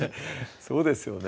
そうですよね